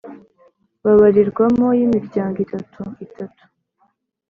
babarirwamo y imiryango itatu itatu